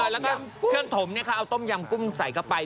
แล้วก็เครื่องถมเนี่ยค่ะเอาต้มยำกุ้มใส่กลับไป